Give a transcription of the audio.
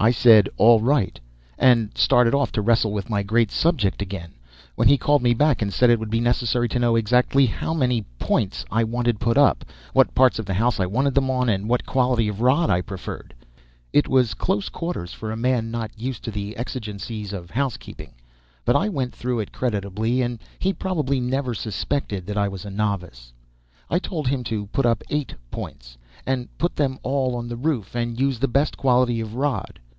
I said, "All right," and started off to wrestle with my great subject again, when he called me back and said it would be necessary to know exactly how many "points" I wanted put up, what parts of the house I wanted them on, and what quality of rod I preferred. It was close quarters for a man not used to the exigencies of housekeeping; but I went through creditably, and he probably never suspected that I was a novice. I told him to put up eight "points," and put them all on the roof, and use the best quality of rod.